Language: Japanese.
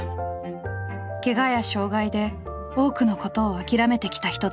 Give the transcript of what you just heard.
けがや障害で多くのことを諦めてきた人たち。